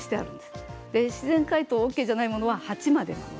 自然解凍ＯＫではないものは８までです。